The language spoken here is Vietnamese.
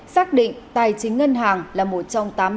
xác định tài chính ngân hàng là một trong tám lĩnh vực